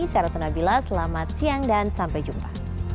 saya ratna bila selamat siang dan sampai jumpa